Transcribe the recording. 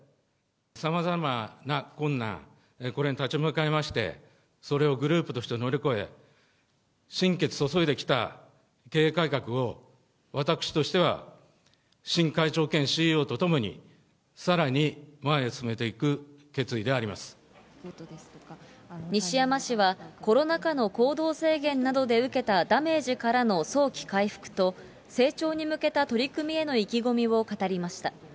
さまざまな困難、これに立ち向かいまして、それをグループとして乗り越え、心血注いできた経営改革を、私としては新会長兼ＣＥＯと共に、さらに前へ進めていく決意であり西山氏は、コロナ禍の行動制限などで受けたダメージからの早期回復と、成長に向けた取り組みへの意気込みを語りました。